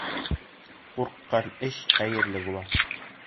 Ҡурҡҡан эш хәйерле була.